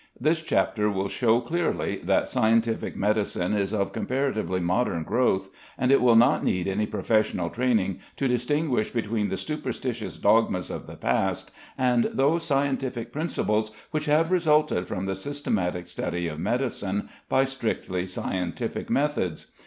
This chapter will show clearly that scientific medicine is of comparatively modern growth, and it will not need any professional training to distinguish between the superstitious dogmas of the past and those scientific principles which have resulted from the systematic study of medicine by strictly scientific methods.